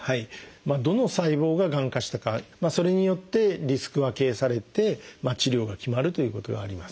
どの細胞ががん化したかそれによってリスク分けされて治療が決まるということがあります。